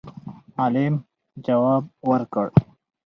عالم جواب ورکړ